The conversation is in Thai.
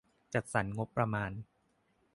จัดสรรงบประมาณ